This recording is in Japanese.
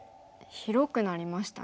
広くなりましたね。